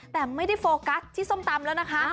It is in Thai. แต่ไม่ได้โฟกัสที่ส้มตำแล้วนะคะ